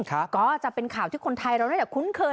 ก็จะเป็นข่าวที่คนไทยเราน่าจะคุ้นเคย